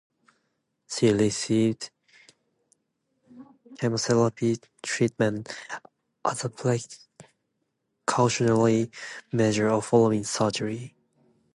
She received chemotherapy treatment as a precautionary measure following surgery.